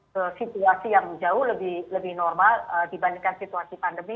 ke situasi yang jauh lebih normal dibandingkan situasi pandemi